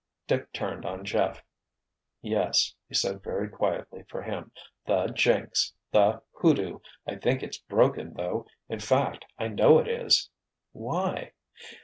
Dick turned on Jeff. "Yes," he said very quietly for him. "The jinx! The hoodoo. I think it's broken, though—in fact, I know it is." "Why?"